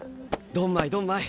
ドンマイドンマイ。